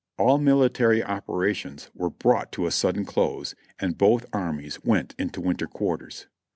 All military operations were brought to a sudden close and both armies went into winter cjuarters.